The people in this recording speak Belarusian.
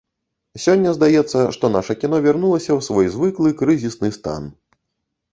Сёння здаецца, што наша кіно вярнулася ў свой звыклы крызісны стан.